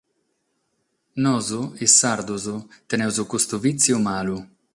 Nois, is sardos, tenimus custu vìtziu malu.